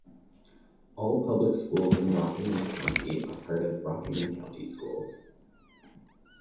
All public schools in Rockingham County are a part of Rockingham County Schools.